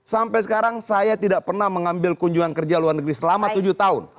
sampai sekarang saya tidak pernah mengambil kunjungan kerja luar negeri selama tujuh tahun